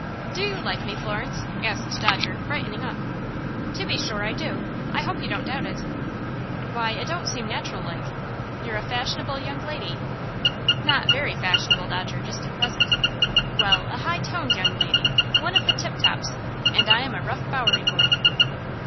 "Do you like me, Florence?" asked Dodger, brightening up. "To be sure I do. I hope you don't doubt it." "Why, it don't seem natural like. You're a fashionable young lady " "Not very fashionable, Dodger, just at present." "Well, a high toned young lady one of the tip tops, and I am a rough Bowery boy."